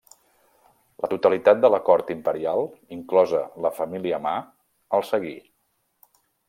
La totalitat de la cort imperial, inclosa la família Ma, els seguí.